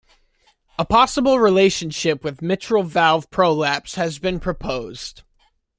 A possible relationship with mitral valve prolapse has been proposed.